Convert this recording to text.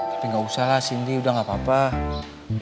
tapi gak usah lah cindy udah gak boleh ngerjain skripsi aku lagi